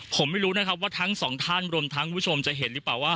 ผมไม่รู้นะครับว่าทั้งสองท่านรวมทั้งคุณผู้ชมจะเห็นหรือเปล่าว่า